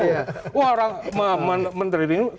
wah orang menteri ini